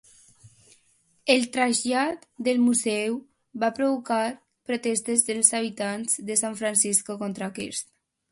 El trasllat del museu va provocar protestes dels habitants de Sant Francisco contra aquest.